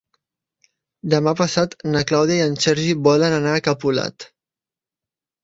Demà passat na Clàudia i en Sergi volen anar a Capolat.